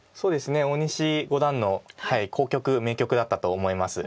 大西五段の好局名局だったと思います。